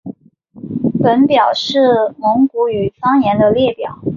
本表是蒙古语方言的列表。